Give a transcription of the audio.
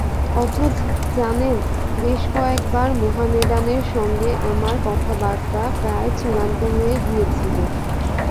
অথচ, জানেন, বেশ কয়েকবার মোহামেডানের সঙ্গে আমার কথাবার্তা প্রায় চূড়ান্ত হয়ে গিয়েছিল।